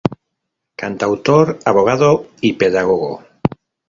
Cantautor, Abogado y Pedagogo.